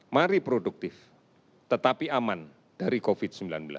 mari produktif tetapi aman dari covid sembilan belas